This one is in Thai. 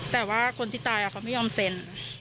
แต่ว่าคนที่ตายเขาไม่ยอมเซ็น